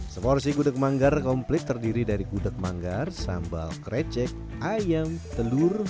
seporsi gudeg manggar komplit terdiri dari gudeg manggar sambal krecek ayam telur